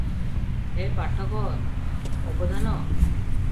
ହେ ପାଠକ ଅବଧାନ!